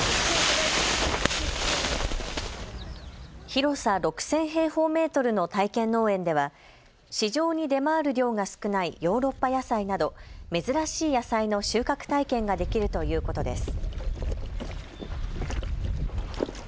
広さ６０００平方メートルの体験農園では市場に出回る量が少ないヨーロッパ野菜など珍しい野菜の収穫体験ができるということです。